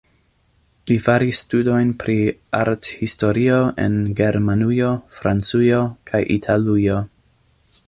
Li faris studojn pri arthistorio en Germanujo, Francujo kaj Italujo.